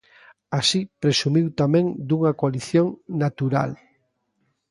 Así, presumiu tamén dunha coalición "natural".